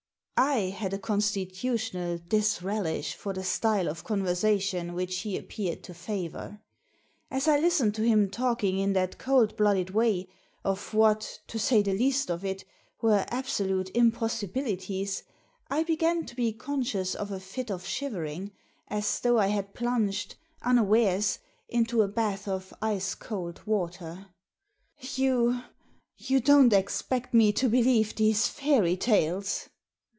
I had a constitutional disrelish for the style of conversation which he appeared to favour. As I listened to him talking in that cold blooded way, of what, to say the least of it, were absolute impossi bilities, I began to be conscious of a fit of shivering, as though I had plunged, unawares, into a bath of ice cold water. " You — ^you don't expect me to believe these fairy tales?"